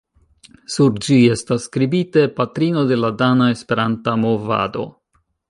Sur ĝi estas skribite: "Patrino de la dana Esperanta movado".